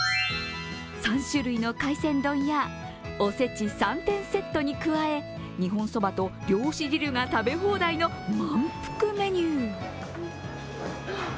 ３種類の海鮮丼やおせち３点セットに加え日本そばと漁師汁が食べ放題の満腹メニュー。